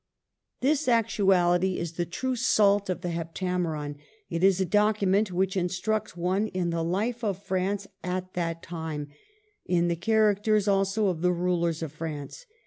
This actuality is the true salt of the '' Hep tameron." It is a document which instructs one in the life of France at that time ; in the characters also of the rulers of France.